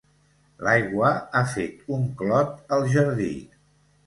L'aigua ha fet un clot al jardí.